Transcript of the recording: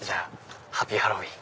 ハッピーハロウィーン！